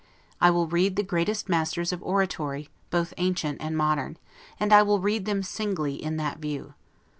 I will read the greatest masters of oratory, both ancient and modern, and I will read them singly in that view.